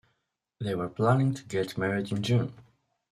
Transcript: They were planning to get married in June.